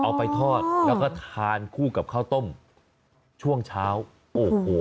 แล้วก็ทานคู่กับข้าวต้มช่วงเช้าโอ้โห